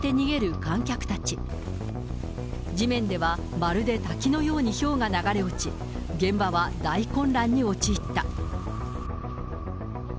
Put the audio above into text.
まるで滝のようにひょうが流れ落ち、現場は大混乱に陥った。